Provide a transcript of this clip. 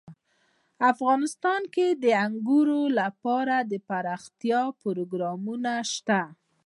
افغانستان کې د انګورو لپاره دپرمختیا پروګرامونه شته دي.